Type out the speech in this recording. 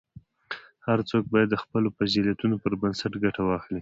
هر څوک باید د خپلو فضیلتونو پر بنسټ ګټه واخلي.